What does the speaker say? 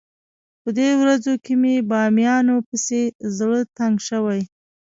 په دې ورځو کې مې بامیانو پسې زړه تنګ شوی.